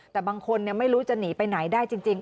แต่บางคนไม่รู้จะหนีไปไหนได้จริง